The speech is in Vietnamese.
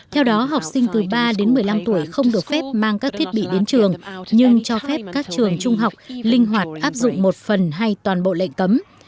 theo đó học sinh từ ba đến một mươi năm tuổi không được phép mang các thiết bị đến trường nhưng cho phép các trường trung học linh hoạt áp dụng một phần hay toàn bộ lệnh cấm